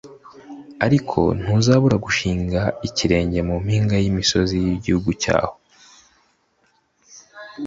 ariko ntuzabura gushinga ikirenge mu mpinga y’imisozi y’igihugu cyabo.»